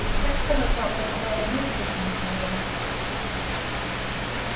Blackfellow not let man live who committed murder."